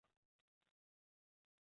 雍正四年丙午科举人。